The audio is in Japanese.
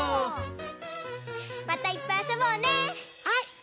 はい。